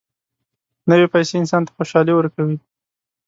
نوې پیسې انسان ته خوشالي ورکوي